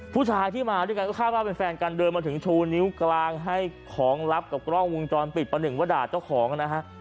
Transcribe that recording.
ผู้ชายที่มาด้วยกันก็คาดว่าเป็นแฟนกันเดินมาถึงชูนิ้วกลางให้ของลับกับกล้องวงจรปิดประหนึ่งว่าด่าเจ้าของนะฮะ